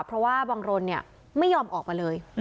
เพราะว่าบังรนเนี่ยไม่ยอมออกมาเลย